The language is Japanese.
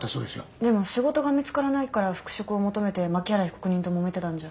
でも仕事が見つからないから復職を求めて槇原被告人ともめてたんじゃ。